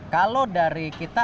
kalau dari kita